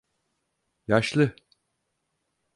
Yaşlı…